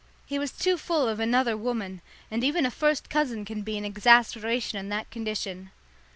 He was too full of another woman, and even a first cousin can be an exasperation in that condition.